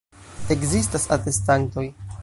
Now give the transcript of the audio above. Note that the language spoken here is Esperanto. Ekzistas atestantoj.